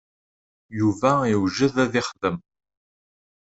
Yuba iwjed ad ixdem.